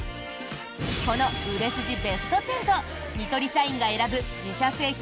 この売れ筋ベスト１０とニトリ社員が選ぶ自社製品